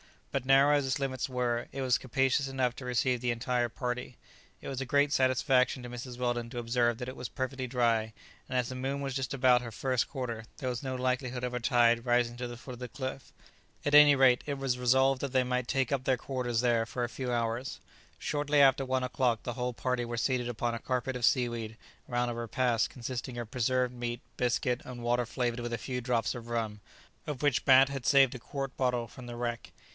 But narrow as its limits were, it was capacious enough to receive the entire party. It was a great satisfaction to Mrs. Weldon to observe that it was perfectly dry, and as the moon was just about her first quarter there was no likelihood of a tide rising to the foot of the cliff. At any rate, it was resolved that they might take up their quarters there for a few hours. Shortly after one o'clock the whole party were seated upon a carpet of seaweed round a repast consisting of preserved meat, biscuit, and water flavoured with a few drops of rum, of which Bat had saved a quart bottle from the wreck.